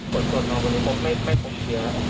กูบอกว่าพี่ไม่ภูเขียว